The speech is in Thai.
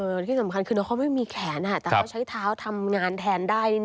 แล้วที่สำคัญคือน้องเขาไม่มีแขนแต่เขาใช้เท้าทำงานแทนได้